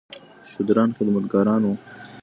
شودران خدمتګاران وو.